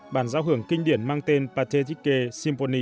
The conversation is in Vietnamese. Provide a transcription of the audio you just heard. bản giao hưởng kinh điển mang tên pathetique symphony